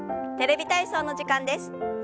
「テレビ体操」の時間です。